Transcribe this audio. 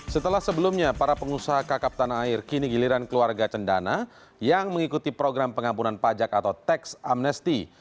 setelah sebelumnya para pengusaha kakap tanah air kini giliran keluarga cendana yang mengikuti program pengampunan pajak atau tax amnesty